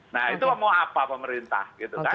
nah itu mau apa pemerintah gitu kan